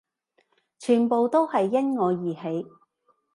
全部都係因我而起